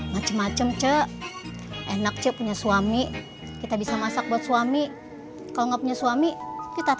macem macem cek enak cek punya suami kita bisa masak buat suami kalau nggak punya suami kita